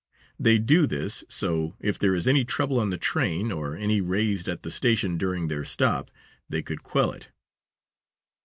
They do this so, if there is any trouble on the train or any raised at the station during their stop, they could quell it.